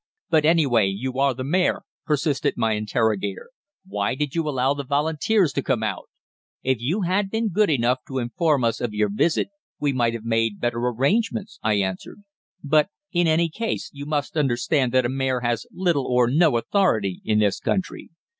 "'But, anyway, you are the Mayor,' persisted my interrogator. 'Why did you allow the Volunteers to come out?' "'If you had been good enough to inform us of your visit, we might have made better arrangements.' I answered; 'but in any case you must understand that a mayor has little or no authority in this country.